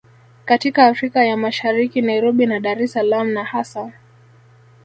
katika Afrika ya Mashariki Nairobi na Dar es Salaam na hasa